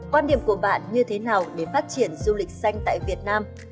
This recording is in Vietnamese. quan điểm của bạn như thế nào để phát triển du lịch xanh tại việt nam